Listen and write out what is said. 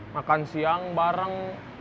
makan siang bareng